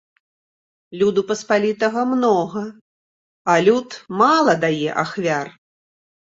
Люду паспалітага многа, а люд мала дае ахвяр.